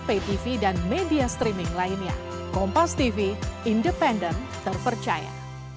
ptv dan media streaming lainnya kompos tv independent terpercaya